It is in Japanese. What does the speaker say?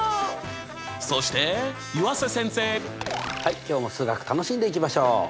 今日も数学楽しんでいきましょう！